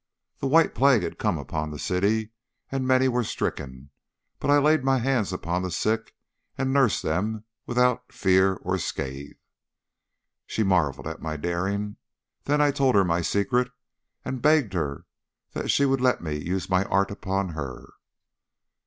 The white plague had come upon the city and many were stricken, but I laid my hands upon the sick and nursed them without fear or scathe. She marvelled at my daring. Then I told her my secret, and begged her that she would let me use my art upon her.